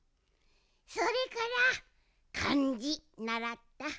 それからかんじならった。